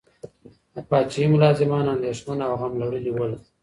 د پاچاهۍ ملازمان اندیښمن او غم لړلي ول.